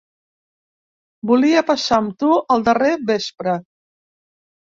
Volia passar amb tu el darrer vespre.